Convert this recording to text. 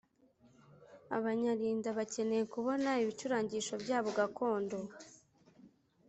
abanyarda bakeneye kubona ibicurangisho byabo gakondo